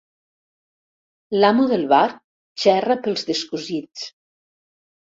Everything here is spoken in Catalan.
L'amo del bar xerra pels descosits.